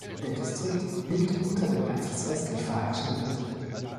Der Distrikt liegt unter dem Einfluss westlich vorherrschender Winde.